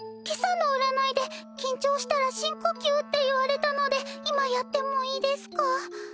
今朝の占いで緊張したら深呼吸って言われたので今やってもいいですか？